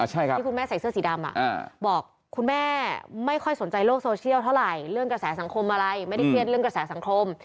ที่คุณแม่ใส่เสื้อสีดำบอกคุณแม่ไม่ค่อยสนใจโลกโซเชียลเท่าไหร่เรื่องกระแสสังคมอะไรไม่ได้เครียดเรื่องกระแสสังคม